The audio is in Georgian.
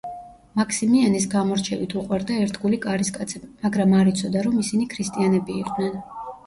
მაქსიმიანეს გამორჩევით უყვარდა ერთგული კარისკაცები, მაგრამ არ იცოდა, რომ ისინი ქრისტიანები იყვნენ.